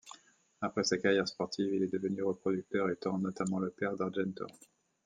Après sa carrière sportive, il est devenu reproducteur, étant notamment le père d'Argento.